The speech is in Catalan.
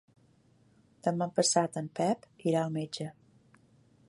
Demà passat en Pep irà al metge.